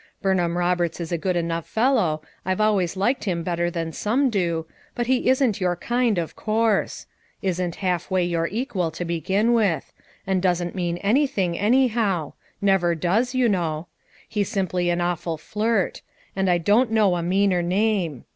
Burnham Roberts is a good enough fellow, I've always liked him better than some do, but he isn't your kind, of course; isn't half way your equal to begin with; and doesn't mean anything, anyhow; never does, you know. He's simply an awful flirt; and I don't know a meaner name.